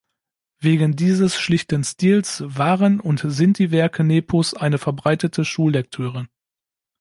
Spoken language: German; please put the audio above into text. Wegen dieses schlichten Stils waren und sind die Werke Nepos eine verbreitete Schullektüre.